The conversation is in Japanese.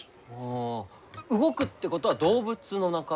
あ動くってことは動物の仲間？